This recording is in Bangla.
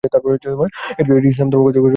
এটি ইসলাম ধর্ম কর্তৃক সমর্থিত।